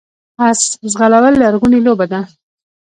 اس ځغلول لرغونې لوبه ده